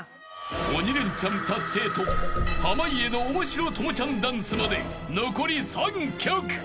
［鬼レンチャン達成と濱家の面白朋ちゃんダンスまで残り３曲］